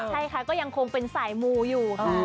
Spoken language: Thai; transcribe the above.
ใช่ค่ะก็ยังคงเป็นสายมูอยู่ค่ะ